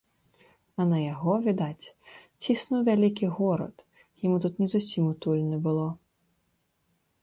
А на яго, відаць, ціснуў вялікі горад, яму тут не зусім утульна было.